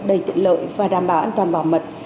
đầy tiện lợi và đảm bảo an toàn bảo mật